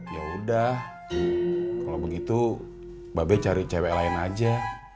ya udah kalau begitu babe cari cewek lain aja